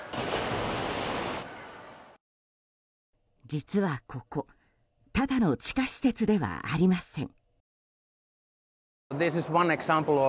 実はここただの地下施設ではありません。